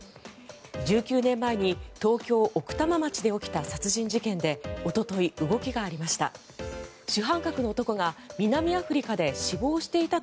１９年前に東京・奥多摩町で起きた殺人事件でおととい、動きがありました。